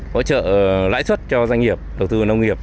hỗ trợ lãi suất cho doanh nghiệp đầu tư nông nghiệp